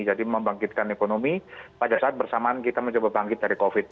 jadi membangkitkan ekonomi pada saat bersamaan kita mencoba bangkit dari covid